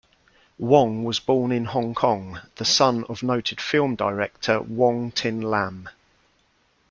Wong was born in Hong Kong, the son of noted film director Wong Tin-Lam.